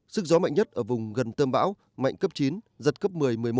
sức gió mạnh nhất ở vùng gần tâm bão mạnh cấp chín giật cấp một mươi một mươi một